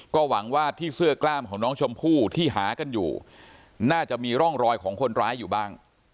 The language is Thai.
ก็หวังว่าที่เสื้อกล้ามของน้องชมพู่ที่หากันอยู่น่าจะมีร่องรอยของคนร้ายอยู่บ้าง